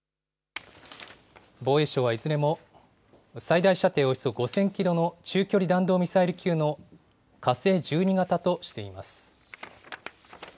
防衛省はいずれも、最大射程およそ５０００キロの中距離弾道ミサイル級の火星１２型としています。